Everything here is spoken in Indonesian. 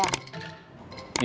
tanggung jawab kamu sendiri